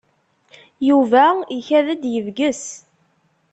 Yuba ikad-d yebges.